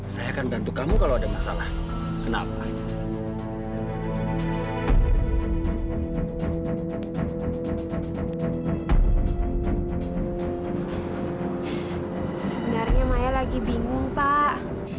sebenarnya maya lagi bingung pak